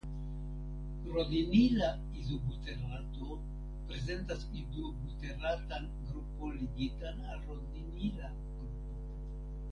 Rodinila izobuterato prezentas izobuteratan grupon ligitan al rodinila grupo.